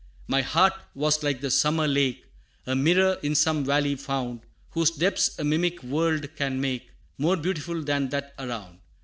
My heart was like the summer lake, A mirror in some valley found, Whose depths a mimic world can make More beautiful than that around.